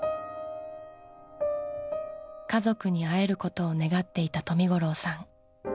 家族に会えることを願っていた冨五郎さん。